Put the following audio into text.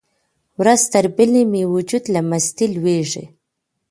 ورځ تر بلې مې وجود له مستۍ لویږي.